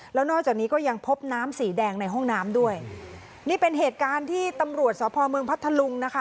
แล้วนอกจากนี้ก็ยังพบน้ำสีแดงในห้องน้ำด้วยนี่เป็นเหตุการณ์ที่ตำรวจสพเมืองพัทธลุงนะคะ